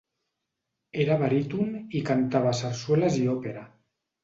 Era baríton i cantava sarsueles i òpera.